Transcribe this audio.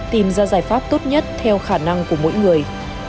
tìm ra giải pháp tốt nhất theo khả năng của mỗi người